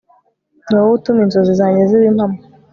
niwowe utuma inzozi zanjye ziba impamo